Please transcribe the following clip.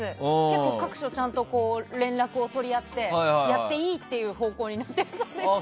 結構、各所ちゃんと連絡を取り合ってやっていいっていう方向になったそうです。